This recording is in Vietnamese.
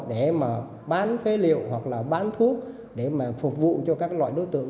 để mà bán phế liệu hoặc là bán thuốc để mà phục vụ cho các loại đối tượng